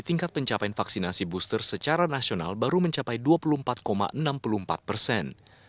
tingkat pencapaian vaksinasi booster secara nasional baru mencapai dua puluh empat enam puluh empat persen